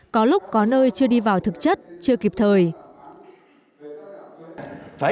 có lúc có nơi chưa đi vào thực chất chưa kịp thời